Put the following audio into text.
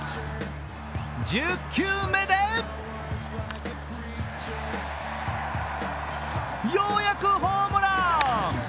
１０球目で、ようやくホームラン。